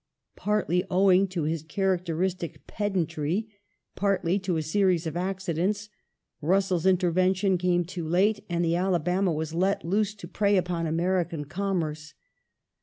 Partly owing to his characteristic pedantry, partly to a series of accidents, Russell's intervention came too late, and the Alabama was let loose to prey upon American commerce.